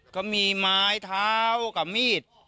ก็มีไม้เท้ากับมีด